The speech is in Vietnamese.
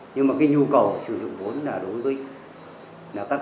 nhưng mà cái nhu cầu sử dụng vốn đối với các thành viên